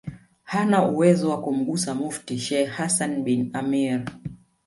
hana uwezo wa kumgusa Mufti Sheikh Hassan bin Amir